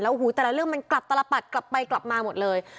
โอ้โหแต่ละเรื่องมันกลับตลปัดกลับไปกลับมาหมดเลย